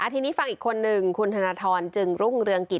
ทีนี้ฟังอีกคนนึงคุณธนทรจึงรุ่งเรืองกิจ